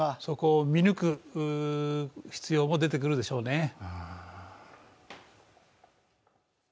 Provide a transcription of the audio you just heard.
そこを見抜く必要も出てくるでしょうね。